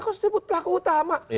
kenapa disebut pelaku utama